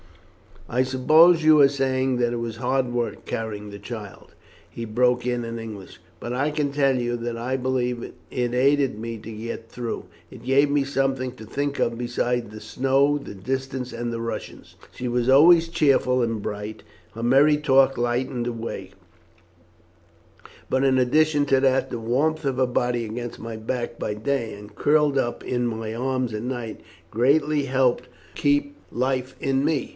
"I suppose you are saying that it was hard work carrying the child," he broke in in English; "but I can tell you that I believe it aided me to get through. It gave me something to think of besides the snow, the distance, and the Russians. She was always cheerful and bright, and her merry talk lightened the way, but in addition to that the warmth of her body against my back by day and curled up in my arms at night, greatly helped to keep life in me.